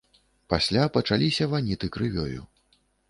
Пасля пачаліся ваніты крывёю.